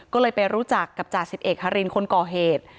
ก็เลยไปรู้จักกับจ่าสิบเอกฮารินคนก่อเหตุ